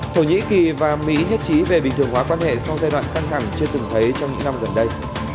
thổ nhĩ kỳ và mỹ nhất trí về bình thường hóa quan hệ sau giai đoạn căng thẳng chưa từng thấy trong những năm gần đây